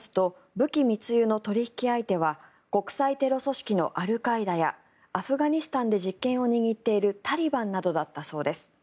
武器密輸の取引相手は国際テロ組織のアルカイダやアフガニスタンで実権を握っているタリバンだったそうです。